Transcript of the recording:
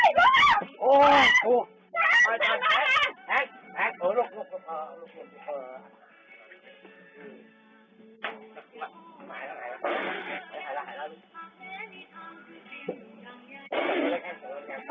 ยายลูก